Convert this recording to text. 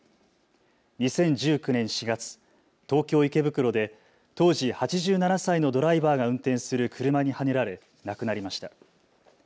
２０１９年４月、東京池袋で当時８７歳のドライバーが運転する車にはねられ亡くなりました。